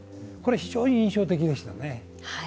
非常に印象的でしたね。